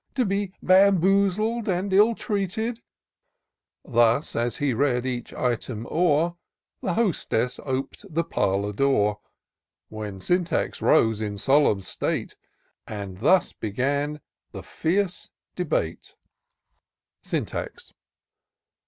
To be bamboozled and ill treated !" Thus, as he read each item o'er, The hostess op'd the parlour door ; When Sjmtax 'rose in solemn state. And thus began the fierce debate :— Syntax.